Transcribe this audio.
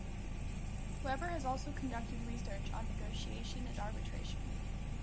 Weber has also conducted research on negotiation and arbitration.